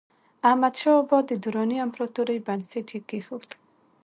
احمدشاه بابا د دراني امپراتورۍ بنسټ یې کېښود.